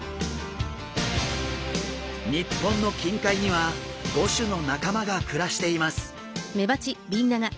日本の近海には５種の仲間が暮らしています。